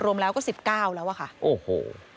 รวมแล้วก็๑๙แล้วอะค่ะโอ้โห